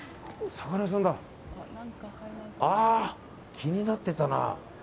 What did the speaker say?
気になってたな。